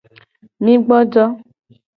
Mi gbojo.